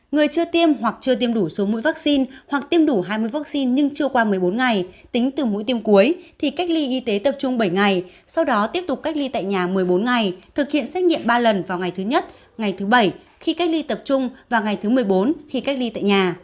người chưa tiêm hoặc chưa tiêm đủ số mũi vaccine hoặc tiêm đủ hai mươi vaccine nhưng chưa qua một mươi bốn ngày tính từ mũi tiêm cuối thì cách ly y tế tập trung bảy ngày sau đó tiếp tục cách ly tại nhà một mươi bốn ngày thực hiện xét nghiệm ba lần vào ngày thứ nhất ngày thứ bảy khi cách ly tập trung vào ngày thứ một mươi bốn khi cách ly tại nhà